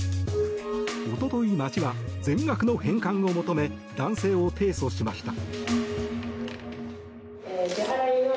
一昨日、町は全額の返還を求め男性を提訴しました。